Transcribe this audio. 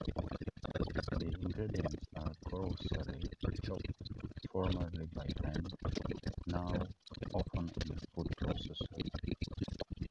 The ingredients are coarsely chopped, formerly by hand, now often in a food processor.